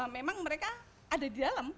memang mereka ada di dalam